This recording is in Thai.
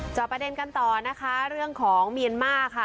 จอบประเด็นกันต่อนะคะเรื่องของเมียนมาร์ค่ะ